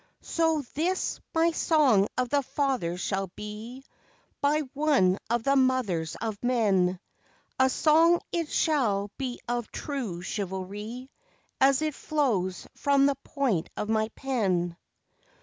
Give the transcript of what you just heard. So this my song of the fathers shall be By one of the mothers of men, A song it shall be of true chivalry, As it flows from the point of my pen.